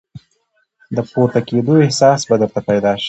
د پورته کېدو احساس به درته پیدا شي !